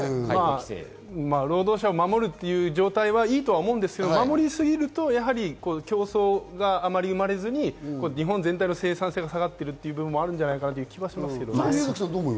労働者を守るという状態はいいと思うんですけど、守りすぎると競争があまり生まれずに日本全体の生産性が下がっているという部分はあるんじゃないかなと思いますけどね。